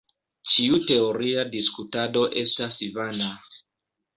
Ĉiu teoria diskutado estas vana.